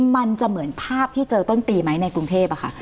มันจะเหมือนภาพที่เจอต้นปีไหมในกรุงเทพค่ะ